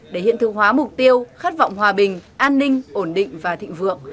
để hiện thực hóa mục tiêu khát vọng hòa bình an ninh ổn định và thịnh vượng